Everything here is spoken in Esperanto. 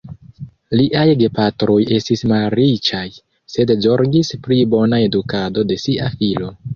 Liaj gepatroj estis malriĉaj, sed zorgis pri bona edukado de sia filo.